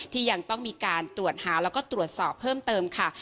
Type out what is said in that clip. ที่ยังต้องมีการตรวจหาแล้วก็ตรวจสอบเพิ่มเติมค่ะ